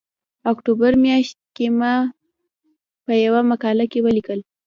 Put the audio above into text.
اکتوبر میاشت کې ما په یوه مقاله کې ولیکل